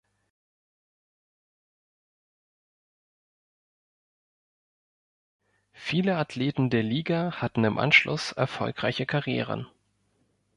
Viele Athleten der Liga hatten im Anschluss erfolgreiche Karrieren.